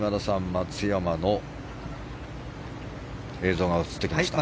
松山の映像が映ってきました。